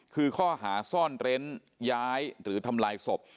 คือข้อหาซ่อนเร้นย้ายหรือทำลายศพ